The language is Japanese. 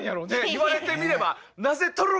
言われてみれば。